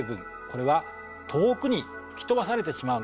これは遠くに吹き飛ばされてしまうんですね。